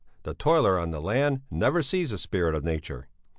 The toiler on the land never sees the spirit of Nature.